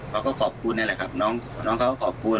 เขาก็ขอบคุณนี่แหละครับน้องเขาขอบคุณ